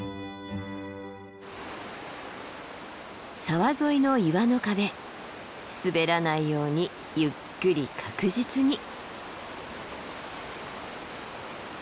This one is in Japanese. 沢沿いの岩の壁滑らないようにゆっくり確実に。